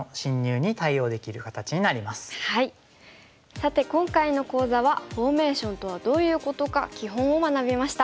さて今回の講座はフォーメーションとはどういうことか基本を学びました。